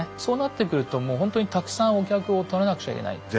そうなってくるともうほんとにたくさんお客をとらなくちゃいけない。